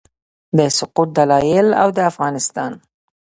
د سقوط دلایل او د افغانستان